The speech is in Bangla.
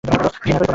ঘৃণা করি তোকে!